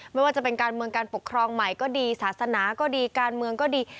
ไม่ว่าจะเป็นการเมืองการปกครองใหม่ก็ดีศาสนาก็ดีการเมืองก็ดี